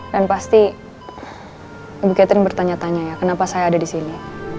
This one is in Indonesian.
pasti ibu catherine bertanya tanya ya kenapa saya ada di sini